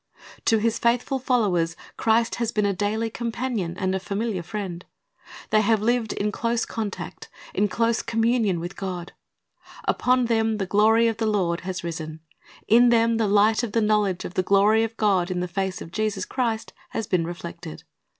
'" To His faithful followers Christ has been a daily companion and familiar friend. They have lived in close contact, in constant communion with God. Upon them the glory of the Lord has risen. In them the light of the knowledge of the glory of God in the face of Jesus Christ has been reflected.